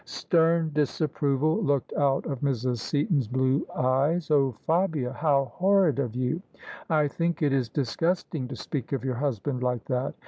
Stern disapproval looked out of Mrs. Seaton's blue eyes. " Oh, Fabia, how horrid of you! I think it is disgusting to speak of your husband like that.